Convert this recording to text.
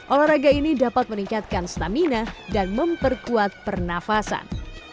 olahraga ini dapat meningkatkan stamina dan memperkuat pernafasan